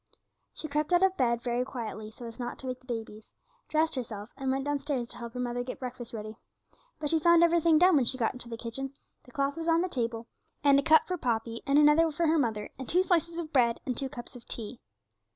She crept out of bed very quietly, so as not to wake the babies, dressed herself, and went downstairs to help her mother to get breakfast ready. But she found everything done when she got into the kitchen, the cloth was on the table, and a cup for Poppy, and another for her mother, and two slices of bread, and two cups of tea.